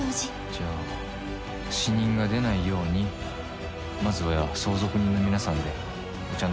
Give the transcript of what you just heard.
「じゃあ死人が出ないようにまずは相続人の皆さんでお茶飲んで話し合いませんか？」